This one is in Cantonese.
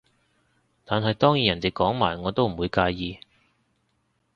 但係當然人哋講埋我都唔會介意